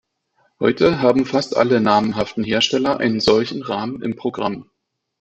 Heute haben fast alle namhaften Hersteller einen solchen Rahmen im Programm.